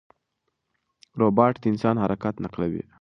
روباټ د انسان حرکت نقلوي.